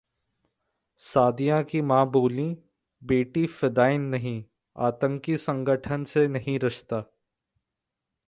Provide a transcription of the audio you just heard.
सादिया की मां बोली- बेटी फिदायीन नहीं, आतंकी संगठन से नहीं रिश्ता